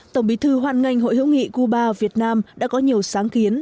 tổng bí thư hoàn ngành hội hữu nghị cuba việt nam đã có nhiều sáng kiến